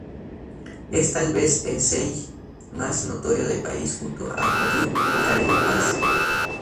Es tal vez el sheij más notorio del país junto a Abdul Karim Paz.